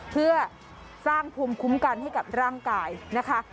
เพื่อสร้างภูมิคุ้มกันให้กับร่างกายนะคะ